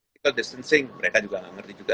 people distancing mereka juga gak ngerti juga